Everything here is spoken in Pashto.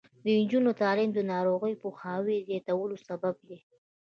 د نجونو تعلیم د ناروغیو پوهاوي زیاتولو سبب دی.